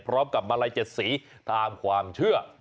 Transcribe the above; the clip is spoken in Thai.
พร้อมกับมาลัยเจ็ดสีตามความเชื่อ